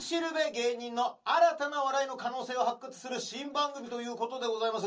芸人の新たな笑いの可能性を発掘する新番組ということでございますが。